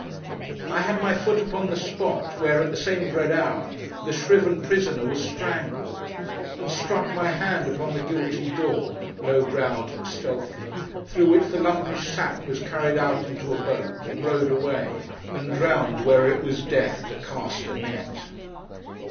I had my foot upon the spot, where, at the same dread hour, the shriven prisoner was strangled; and struck my hand upon the guilty door—low browed and stealthy—through which the lumpish sack was carried out into a boat, and rowed away, and drowned where it was death to cast a net.